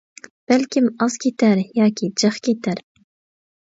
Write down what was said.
بەلكىم ئاز كېتەر ياكى جىق كېتەر.